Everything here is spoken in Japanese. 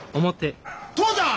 父ちゃん！